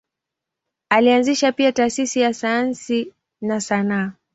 Alianzisha pia taasisi za sayansi na sanaa.